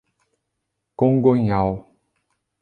Congonhal